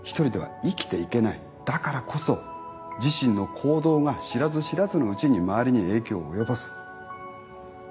だからこそ自身の行動が知らず知らずのうちに周りに影響を及ぼす。